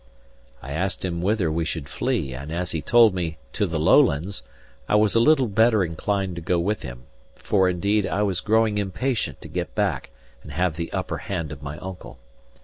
I asked him whither we should flee; and as he told me "to the Lowlands," I was a little better inclined to go with him; for, indeed, I was growing impatient to get back and have the upper hand of my uncle.